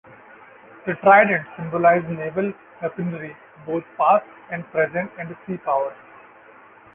The tridents symbolize naval weaponry, both past and present, and sea prowess.